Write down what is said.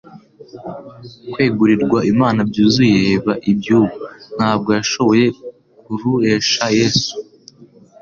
kwegurirwa Imana byuzuye biba iby'ubu: Ntabwo yashoboye kuruesha Yesu.